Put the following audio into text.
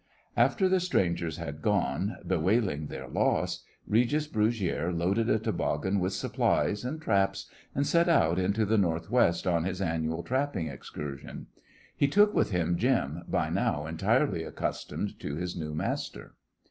After the strangers had gone, bewailing their loss, Regis Brugiere loaded a toboggan with supplies and traps and set out into the northwest on his annual trapping excursion. He took with him Jim, by now entirely accustomed to his new master.